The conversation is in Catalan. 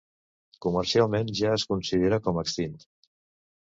Comercialment ja es considera com extint.